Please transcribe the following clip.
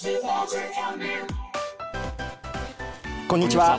こんにちは。